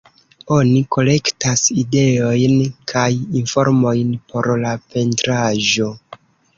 Oni kolektas ideojn kaj informojn por la pentraĵo.